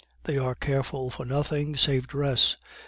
They are careful for nothing, save dress.